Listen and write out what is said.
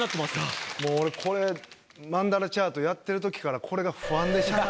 もう俺これマンダラチャートやってるときからこれが。